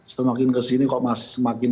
semakin kesini kok masih semakin